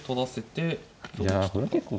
いやこれは結構。